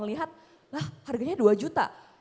lihat harganya dua juta